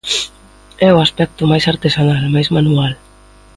É o aspecto máis artesanal, máis manual.